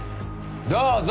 どうぞ！